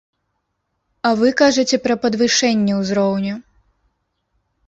А вы кажаце пра падвышэнне ўзроўню?